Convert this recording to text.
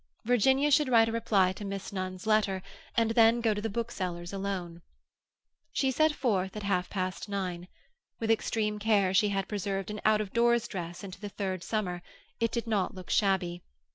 Virginia should write a reply to Miss Nunn's letter, and then go to the bookseller's alone. She set forth at half past nine. With extreme care she had preserved an out of doors dress into the third summer; it did not look shabby.